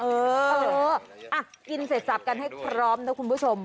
เอออ่ะกินเสร็จสับกันให้พร้อมนะคุณผู้ชม